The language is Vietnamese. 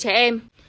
của trẻ em